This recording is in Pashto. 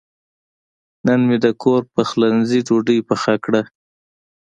نن مې د کور پخلنځي ډوډۍ پخه کړه.